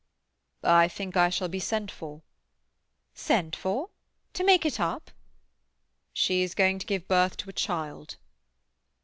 "I think I shall be sent for." "Sent for? To make it up?" "She is going to give birth to a child."